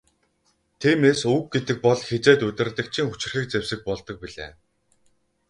Тиймээс үг гэдэг бол хэзээд удирдагчийн хүчирхэг зэвсэг болдог билээ.